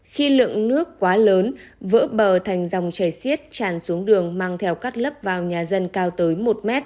khi lượng nước quá lớn vỡ bờ thành dòng chảy xiết tràn xuống đường mang theo các lớp vào nhà dân cao tới một m